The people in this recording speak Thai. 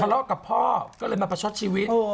เลาะกับพ่อก็เลยมาประชดชีวิต